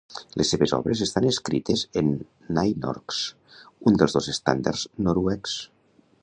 Les seves obres estan escrites en nynorsk, un dels dos estàndards noruecs.